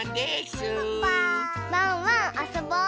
ワンワンあそぼう！